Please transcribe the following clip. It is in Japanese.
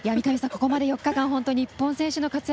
三上さん、ここまで４日間日本選手の活躍